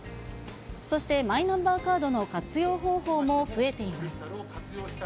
そしてマイナンバーカードの活用方法も増えています。